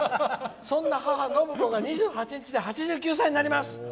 そんな母のぶこが２８日で８９歳になります。